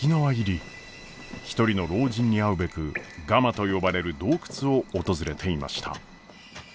一人の老人に会うべくガマと呼ばれる洞窟を訪れていました。